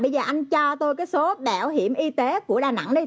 bây giờ anh cho tôi cái số bảo hiểm y tế của đà nẵng đi